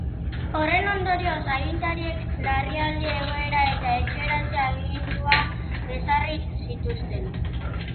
Horren ondorioz, agintariek larrialdi egoera eta etxeratze-agindua ezarri zituzten.